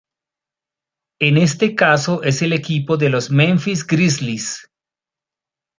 En este caso es el equipo de los Memphis Grizzlies.